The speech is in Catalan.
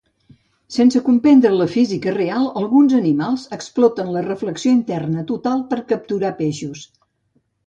Sense comprendre la física real, alguns animals exploten la reflexió interna total per capturar peixos.